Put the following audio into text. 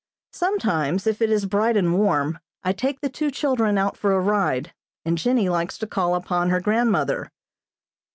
Sometimes if it is bright and warm, I take the two children out for a ride, and Jennie likes to call upon her grandmother.